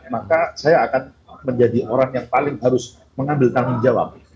maka saya akan menjadi orang yang paling harus mengambil tanggung jawab